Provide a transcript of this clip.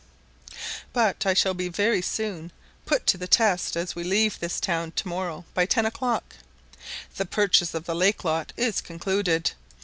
But I shall very soon be put to the test, as we leave this town to morrow by ten o'clock. The purchase of the Lake lot is concluded.